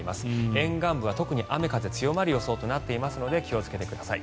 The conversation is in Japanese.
沿岸部は特に雨風強まる予想となっていますので気をつけてください。